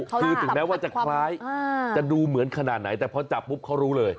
คือถึงแม้ว่าจะคล้ายจะดูเหมือนขนาดไหนแต่พอจับปุ๊บเขารู้เลย